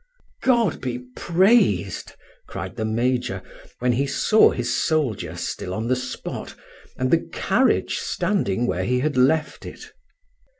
"God be praised!" cried the major, when he saw his soldier still on the spot, and the carriage standing where he had left it.